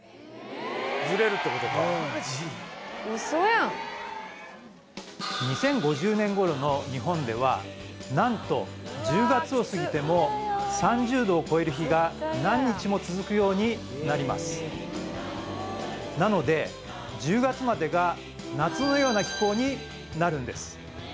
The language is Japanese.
ズレるってことか２０５０年頃の日本では何と１０月を過ぎても３０度を超える日が何日も続くようになりますなので１０月までが夏のような気候になるんです